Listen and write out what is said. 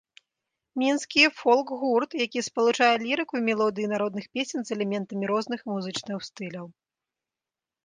Мінскі фолк-гурт, які спалучае лірыку і мелодыі народных песень з элементамі розных музычных стыляў.